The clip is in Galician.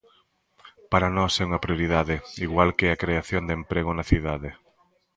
Para nós é unha prioridade, igual que a creación de emprego na cidade.